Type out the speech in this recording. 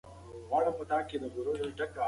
که په تعلیم کې پرمختګ وي، نو ټولنه به ښه شي.